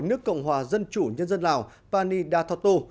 nước cộng hòa dân chủ nhân dân lào pani dathotu